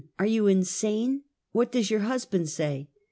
Are you insane? What does your husband say?"